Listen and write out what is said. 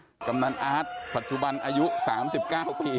นี่ฮะกำนันอาร์ตปัจจุบันอายุสามสิบเก้าปี